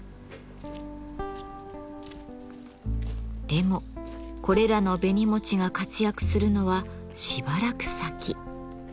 でもこれらの紅餅が活躍するのはしばらく先。